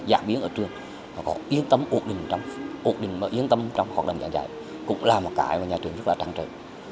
giảng viên ở trường có yên tâm ổn định trong hoạt động giảng dạy cũng là một cái mà nhà trường rất là trăng trở